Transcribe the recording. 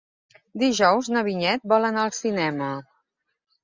Dijous na Vinyet vol anar al cinema.